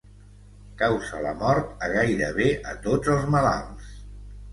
Causa la mort a gairebé a tots els malalts.